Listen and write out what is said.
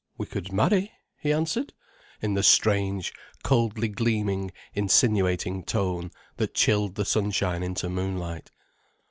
"We could marry," he answered, in the strange, coldly gleaming insinuating tone that chilled the sunshine into moonlight.